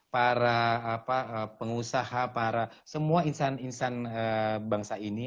para pengusaha para semua insan insan bangsa ini